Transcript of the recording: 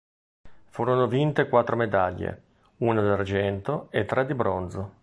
Furono vinte quattro medaglie: una d'argento e tre di bronzo.